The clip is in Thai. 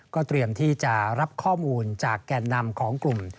เตรียมที่จะรับข้อมูลจากแก่นนำของกลุ่ม